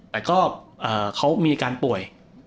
แต่ก็เขามีอาการป่วย